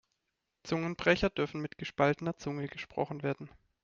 Zungenbrecher dürfen mit gespaltener Zunge gesprochen werden.